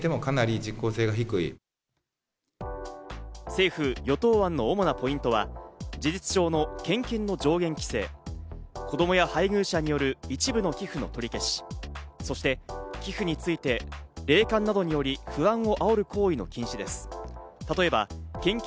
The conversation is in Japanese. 政府与党案の主なポイントは事実上の献金の上限規制、子供や配偶者による一部の寄付の取り消し、そして寄付について、霊感などにより不安をあおる行為の禁止です。